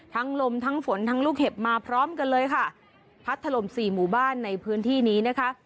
ลมทั้งฝนทั้งลูกเห็บมาพร้อมกันเลยค่ะพัดถล่มสี่หมู่บ้านในพื้นที่นี้นะคะ